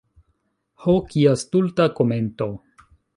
Ho, kia stulta komento!